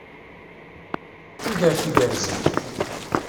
D tudert igerrzen.